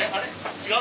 違う？